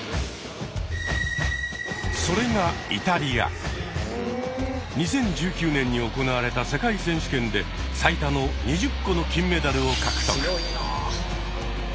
それが２０１９年に行われた世界選手権で最多の２０個の金メダルを獲得。